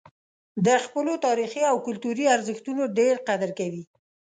د خپلو تاریخي او کلتوري ارزښتونو ډېر قدر کوي.